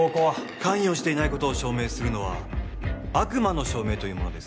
関与していないことを証明するのは悪魔の証明というものです